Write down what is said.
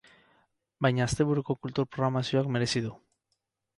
Baina asteburuko kultur programazioak merezi du.